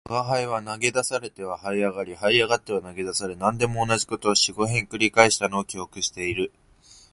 吾輩は投げ出されては這い上り、這い上っては投げ出され、何でも同じ事を四五遍繰り返したのを記憶している